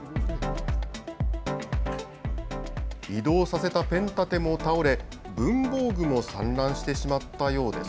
移動させたペン立ても倒れ文房具も散乱してしまったようです。